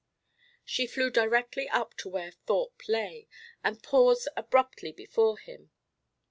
She flew directly up to where Thorpe lay, and paused abruptly before him.